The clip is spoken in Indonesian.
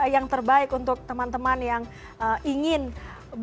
semoga yang terbaik untuk teman teman yang ingin berhasil